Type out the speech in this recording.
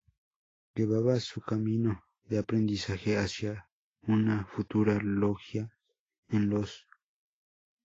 Llevaba su camino de aprendizaje hacia una futura logia en los V.·.